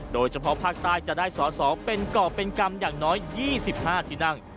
โดยเฉพาะภาคใต้จะได้สอสอเป็นก่อเป็นกรรมอย่างน้อย๒๕ที่นั่ง